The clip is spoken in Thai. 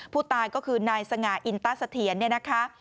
ผู้ตายก็คือนายสง่าอินตะเสถียรเนี่ยนะคะ